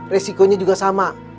resikonya juga sama